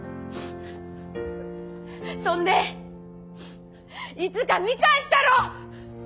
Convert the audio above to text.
そんでいつか見返したろ！